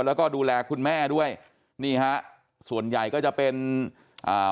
แล้วก็ดูแลคุณแม่ด้วยนี่ฮะส่วนใหญ่ก็จะเป็นอ่า